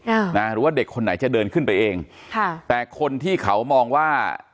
อ่านะหรือว่าเด็กคนไหนจะเดินขึ้นไปเองค่ะแต่คนที่เขามองว่า